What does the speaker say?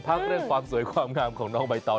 พักเรื่องความสวยความงามของน้องใบตอง